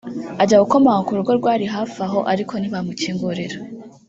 ajya gukomanga ku rugo rwari hafi aho ariko ntibamukingurira